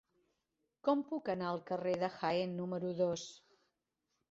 Com puc anar al carrer de Jaén número dos?